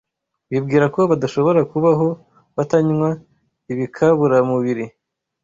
Bibwira ko badashobora kubaho batanywa ibikaburamubiri